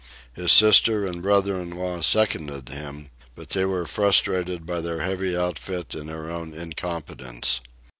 His sister and brother in law seconded him; but they were frustrated by their heavy outfit and their own incompetence.